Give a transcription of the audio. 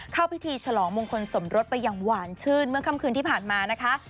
เข้าพิธีฉลองมงคลสมรสไปอย่างหวานชื่นเมื่อค่ำคืนที่ผ่านมานะคะ